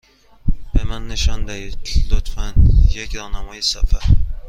به من نشان دهید، لطفا، یک راهنمای سفر.